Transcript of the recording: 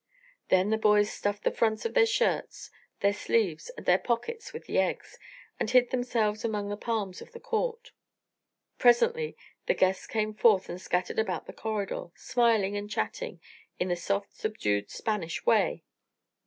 Then the boys stuffed the fronts of their shirts, their sleeves, and their pockets with the eggs, and hid themselves among the palms of the court. Presently the guests came forth and scattered about the corridor, smiling and chatting in the soft subdued Spanish way.